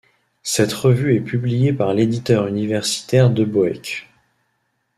Cette revue est publiée par l'éditeur universitaire De Boeck.